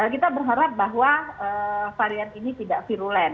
kita berharap bahwa varian ini tidak virulen